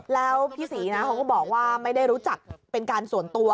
แล้วพี่ศรีนะเขาก็บอกว่าไม่ได้รู้จักเป็นการส่วนตัว